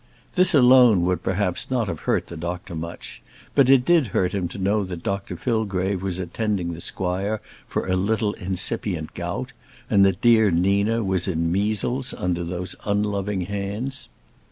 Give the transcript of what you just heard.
This alone would, perhaps, not have hurt the doctor much; but it did hurt him to know that Dr Fillgrave was attending the squire for a little incipient gout, and that dear Nina was in measles under those unloving hands.